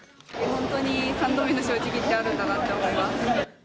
本当に３度目の正直ってあるんだなって思います。